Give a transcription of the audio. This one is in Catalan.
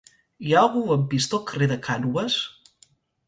Hi ha algun lampista al carrer de Cànoves?